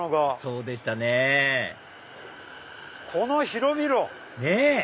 そうでしたねこの広々！ねぇ！